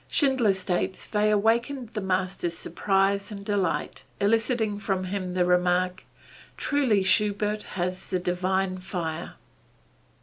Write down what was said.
Schindler states they awakened the master's surprise and delight, eliciting from him the remark, "Truly, Schubert has the divine fire."